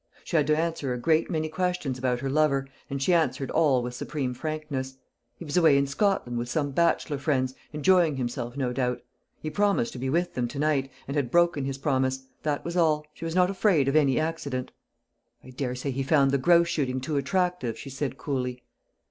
She had to answer a great many questions about her lover, and she answered all with supreme frankness. He was away in Scotland with some bachelor friends, enjoying himself no doubt. He promised to be with them to night, and had broken his promise; that was all she was not afraid of any accident. "I daresay he found the grouse shooting too attractive," she said coolly.